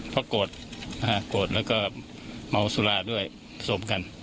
เพราะโกรธโกรธแล้วก็เมาสุราด้วยสมกัน